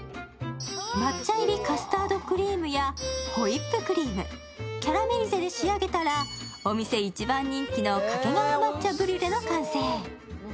抹茶入りカスタードクリームやホイップクリームキャラメリゼで仕上げたら、お店一番人気の掛川抹茶ブリュレの完成。